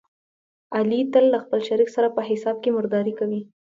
علي تل له خپل شریک سره په حساب کې مردارې کوي.